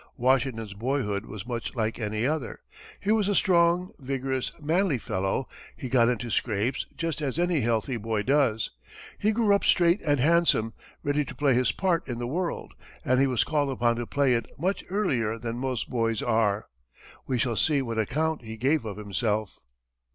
Washington's boyhood was much like any other. He was a strong, vigorous, manly fellow; he got into scrapes, just as any healthy boy does; he grew up straight and handsome, ready to play his part in the world, and he was called upon to play it much earlier than most boys are. We shall see what account he gave of himself.